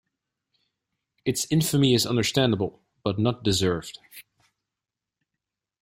Its infamy is understandable, but not deserved.